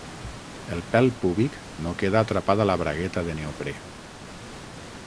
El pèl púbic no queda atrapat a la bragueta de neoprè.